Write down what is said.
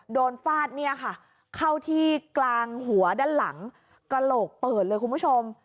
ฟาดเนี่ยค่ะเข้าที่กลางหัวด้านหลังกระโหลกเปิดเลยคุณผู้ชม